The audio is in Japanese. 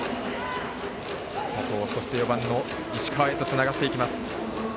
佐藤、そして４番の石川へとつながっていきます。